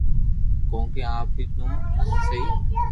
ڪونڪھ آپ ھي تو ھي